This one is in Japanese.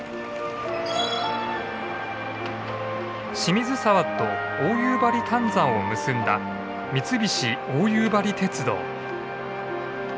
清水沢と大夕張炭山を結んだ三菱大夕張鉄道。